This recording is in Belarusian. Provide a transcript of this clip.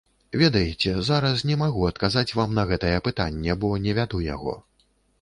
Ведаеце, зараз не магу адказаць вам на гэтае пытанне, бо не вяду яго.